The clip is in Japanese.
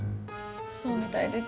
そうみたいです